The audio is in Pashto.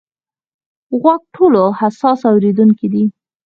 غوږ ټولو حساس اورېدونکی دی.